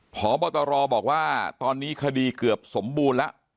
พบตรบอกว่าตอนนี้คดีเกือบสมบูรณ์แล้ว